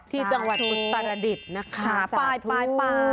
ที่จังหวัดคุณตรรดิษฐ์นะคะปลาย